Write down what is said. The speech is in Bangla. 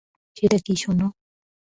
সেটা কী শোন।